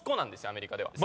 アメリカでは。